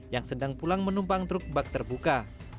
yang sedang pulang menumpang truk bak terbuka